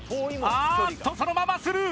あーっとそのままスルー！